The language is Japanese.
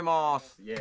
イエーイ！